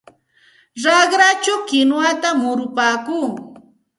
Raqrachaw kinwata murupaakuu.